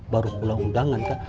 baru pula undangan kan